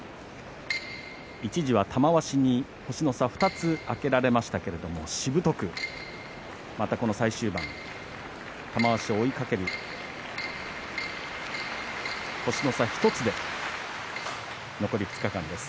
一時は玉鷲に星の差を２つあけられましたけれどもしぶとく、またこの最終盤玉鷲を追いかける星の差１つで残り２日間です。